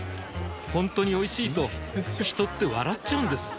ほんとにおいしいと人って笑っちゃうんです